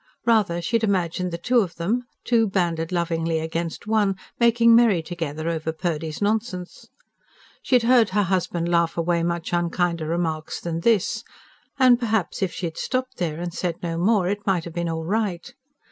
Rather she had imagined the two of them two banded lovingly against one making merry together over Purdy's nonsense. She had heard her husband laugh away much unkinder remarks than this. And perhaps if she had stopped there, and said no more, it might have been all right.